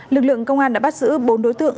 lực lượng công an đã bắt giữ bốn đối tượng